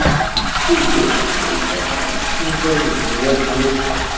Cfu tura, ur ilaq ara ad tkeyyfeḍ deg twaturt.